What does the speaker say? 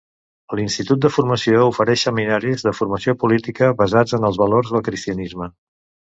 L'Institut de Formació ofereix seminaris de formació política basats en els valors del cristianisme.